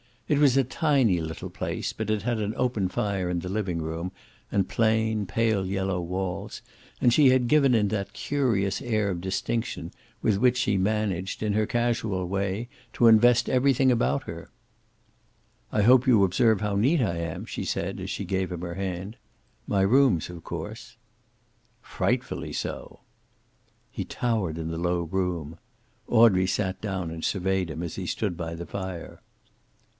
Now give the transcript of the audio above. It was a tiny little place, but it had an open fire in the living room, and plain, pale yellow walls, and she had given it that curious air of distinction with which she managed, in her casual way, to invest everything about her. "I hope you observe how neat I am," she said, as she gave him her hand. "My rooms, of course." "Frightfully so." He towered in the low room. Audrey sat down and surveyed him as he stood by the fire.